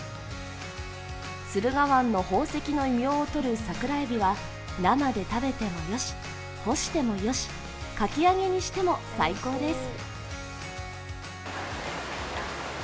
駿河湾の宝石の異名をとる桜えびは生で食べてもよし、干してもよし、かき揚げにしても最高です。